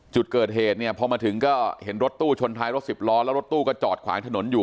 จุดเกิดเหตุเนี่ยพอมาถึงก็เห็นรถตู้ชนท้ายรถสิบล้อแล้วรถตู้ก็จอดขวางถนนอยู่